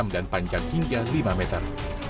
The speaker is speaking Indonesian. dan panjang hingga lima meter